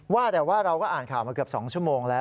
ว่าแต่ว่าเราก็อ่านข่าวมาเกือบ๒ชั่วโมงแล้ว